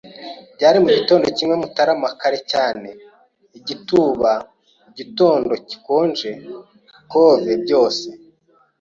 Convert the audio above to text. Byari mugitondo kimwe Mutarama, kare cyane - igituba, igitondo gikonje - cove byose